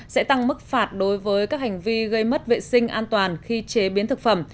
sẽ tăng mức phạt đối với các hành vi gây mất vệ sinh an toàn khi chế biến thực phẩm